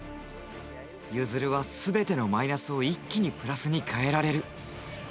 ユヅルは全てのマイナスを一気にプラスに変えられる。